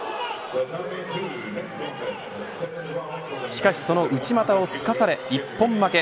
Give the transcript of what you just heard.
しかしその内股をすかされ一本負け。